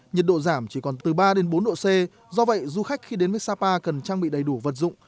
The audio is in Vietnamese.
nhiệt độ giảm chỉ còn từ ba đến bốn độ c do vậy du khách khi đến với sapa cần trang bị đầy đủ vật dụng